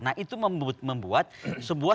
nah itu membuat sebuah